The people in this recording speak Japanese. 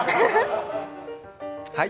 はい。